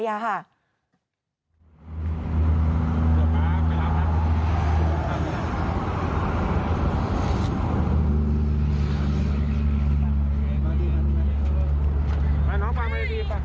มาน้องไปไป